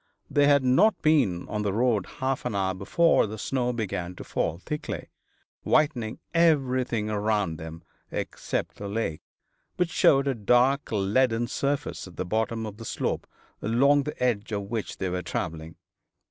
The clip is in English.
They had not been on the road half an hour before the snow began to fall thickly, whitening everything around them, except the lake, which showed a dark leaden surface at the bottom of the slope along the edge of which they were travelling.